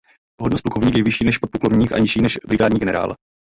Hodnost plukovník je vyšší než podplukovník a nižší než brigádní generál.